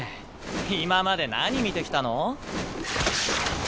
今まで何見てきたの？